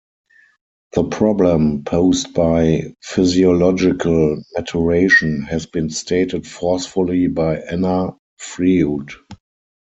The problem posed by physiological maturation has been stated forcefully by Anna Freud.